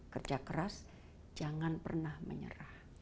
kerja keras jangan pernah menyerah